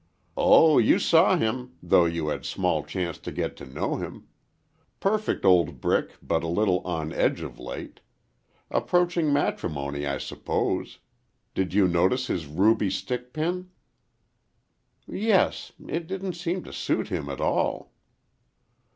"Oh, you saw him,—though you had small chance to get to know him. Perfect old brick, but a little on edge of late. Approaching matrimony, I suppose. Did you notice his ruby stickpin?" "Yes; it didn't seem to suit him at all."